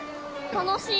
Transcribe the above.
楽しい！